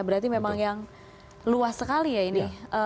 berarti memang yang luas sekali ya ini